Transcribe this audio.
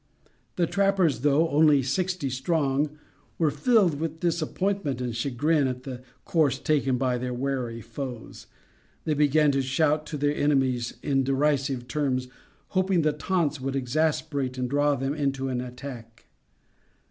The trappers, though only sixty strong, were filled with disappointment and chagrin at the course taken by their wary foes. They began to shout to their enemies in derisive terms, hoping the taunts would exasperate and draw them into an attack.